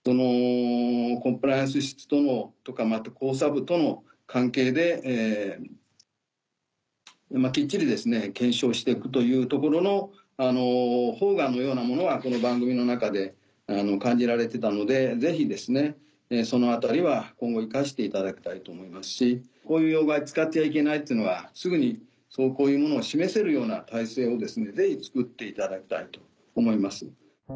コンプライアンス室とかまた考査部との関係できっちり検証して行くというところの萌芽のようなものはこの番組の中で感じられてたのでぜひそのあたりは今後生かしていただきたいと思いますしこういう用語は使っちゃいけないっていうのはすぐにこういうものを示せるような体制をぜひつくっていただきたいと思います。